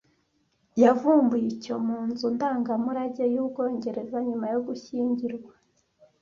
yavumbuye icyo mu Nzu Ndangamurage y'Ubwongereza nyuma yo gushyingirwa